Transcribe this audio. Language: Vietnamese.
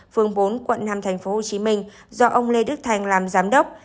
phương bốn quận năm tp hcm do ông lê đức thành làm giám đốc